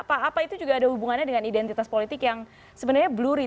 apa itu juga ada hubungannya dengan identitas politik yang sebenarnya blury